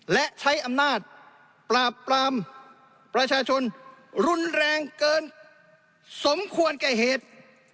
และใช้อำนาจปราบปรามประชาชนรุนแรงเกินสมควรแก่เหตุ